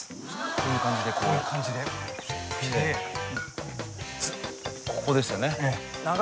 こういう感じでこういう感じで来てここですよね